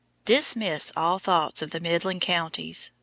Dismiss all thoughts of the Midland Counties.